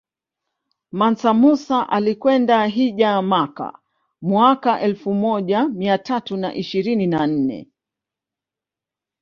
Mansa Musa alikwenda hijja Mecca mwaka elfu moja mia tatu na ishirini na nne